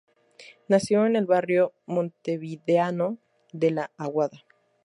Nació en el barrio montevideano de La Aguada.